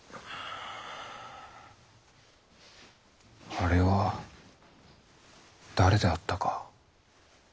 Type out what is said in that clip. あれは誰であったか。